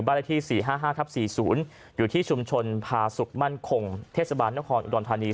วาลัยที่สี่ห้าห้าทับสี่ศูนย์อยู่ที่ชุมชนพาสุกมั่นคงเทศบาลนครอุดวรรณฑานี